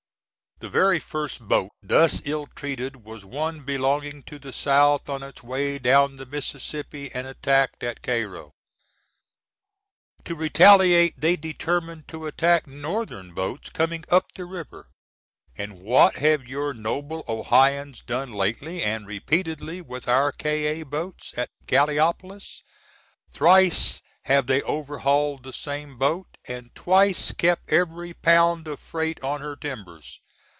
The very 1st boat thus ill treated was one belonging to the South on its way down the Miss. & attacked at Cairo. To retaliate they determined to attack North^en boats coming up the river. And what have your noble Ohioans done lately & repeatedly with our Ka. boats at Gallipolis? Thrice have they overhauled the same boat and twice kept every pound of freight on her timbers.